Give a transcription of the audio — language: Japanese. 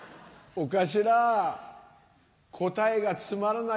お頭